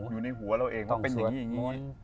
อยู่ในหัวเราเองต้องเป็นอย่างนี้อย่างนี้